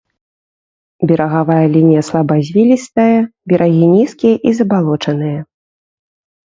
Берагавая лінія слабазвілістая, берагі нізкія і забалочаныя.